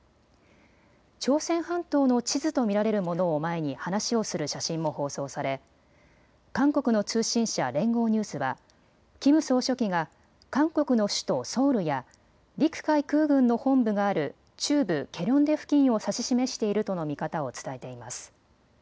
朝鮮半島の地図と見られるものを前に話をする写真も放送され韓国の通信社、連合ニュースはキム総書記が韓国の首都ソウルや陸海空軍の本部がある中部ケリョンデ付近を指し示しているとの見方を伝えています。